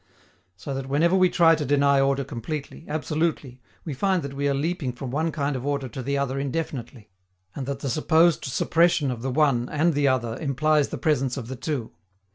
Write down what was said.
So that whenever we try to deny order completely, absolutely, we find that we are leaping from one kind of order to the other indefinitely, and that the supposed suppression of the one and the other implies the presence of the two.